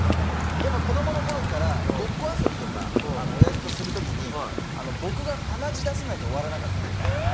やっぱ子供の頃からごっこ遊びとか親父とする時に僕が鼻血出さないと終わらなかった。